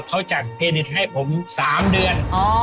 เขาจัดเครดิตให้ผม๓เดือน